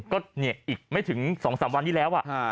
ก็เนี่ยอีกไม่ถึง๒๓วันที่แล้ว